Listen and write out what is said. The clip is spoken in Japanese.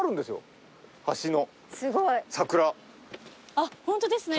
あっホントですね。